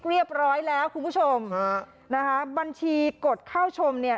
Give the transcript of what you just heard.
เรียบร้อยแล้วคุณผู้ชมค่ะนะคะบัญชีกฎเข้าชมเนี่ย